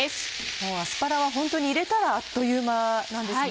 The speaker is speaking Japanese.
もうアスパラはホントに入れたらあっという間なんですね。